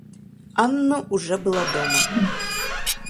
Анна уже была дома.